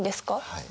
はい。